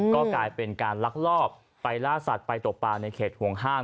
ก็กลายเป็นการลักลอบไปล่าสัตว์ไปตกปลาในเขตห่วงห้าม